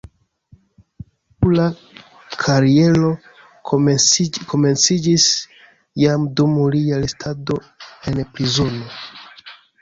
Lia literatura kariero komenciĝis jam dum lia restado en prizono.